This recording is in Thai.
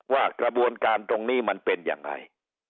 ว่ากระบวนการตรงนี้มันเป็นยังไง